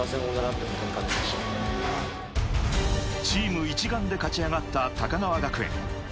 チーム一丸で勝ち上がった高川学園。